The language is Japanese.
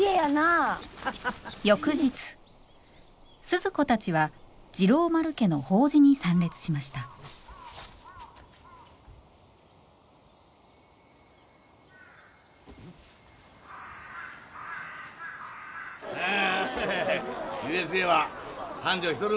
翌日スズ子たちは治郎丸家の法事に参列しましたＵＳＡは繁盛しとるんかいな？